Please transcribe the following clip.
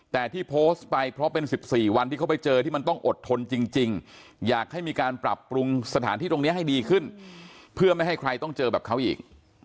แต่ที่โพสต์ไปเพราะเป็น๑๔วันที่เขาไปเจอที่มันต้องอดทนจริงอยากให้มีการปรับปรุงสถานที่ตรงนี้ให้ดีขึ้นเพื่อไม่ให้ใครต้องเจอแบบเขาอีก